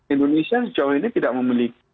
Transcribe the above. indonesia sejauh ini tidak memiliki